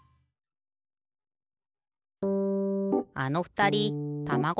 あのふたりたまご